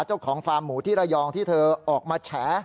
เจ้าของฟาร์มหมูที่ระยองที่เธอออกมาแฉ้